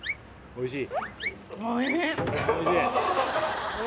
おいしい！